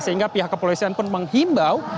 sehingga pihak kepolisian pun menghimbau